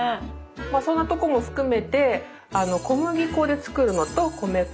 そんなとこも含めて小麦粉でつくるのと米粉